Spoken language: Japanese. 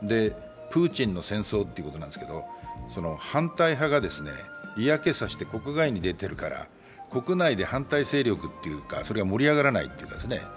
プーチンの戦争ってことなんですけど、反対派が嫌気が差して国内に出ているから、国内で反対勢力が盛り上がらないんですね。